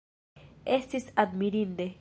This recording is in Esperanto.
Estis admirinde!